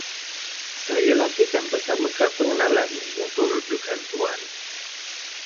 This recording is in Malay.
Saya lampirkan bersama kad pengenalan untuk rujukan Tuan.